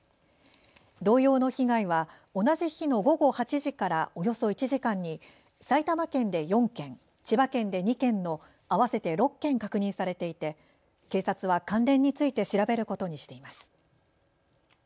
同様の被害は同じ日の午後８時からおよそ１時間に埼玉県で４件、千葉県で２件の合わせて６件確認されていて警察は関連について調べることにしています。